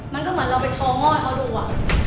มันก็เหมือนเราไปโชว์งอดเขาดูอะ